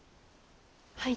はい。